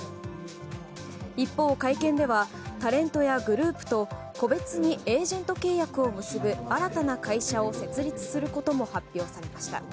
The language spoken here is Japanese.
一方、会見ではタレントやグループと個別にエージェント契約を結ぶ新たな会社を設立することも発表されました。